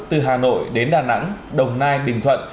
từ hà nội đến đà nẵng đồng nai bình thuận